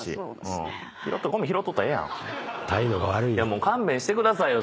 もう勘弁してくださいよ。